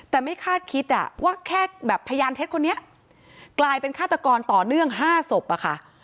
แต่ไม่คาดคิดอ่ะว่าแค่แบบพยานเท็จคนนี้กลายเป็นฆาตกรต่อเนื่อง๕ศพอะค่ะ